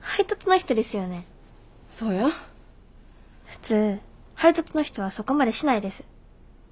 普通配達の人はそこまでしないです。